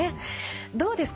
どうですか？